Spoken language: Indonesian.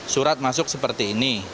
surat masuk seperti ini